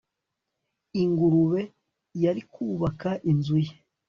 ingurube yari kubaka inzu ye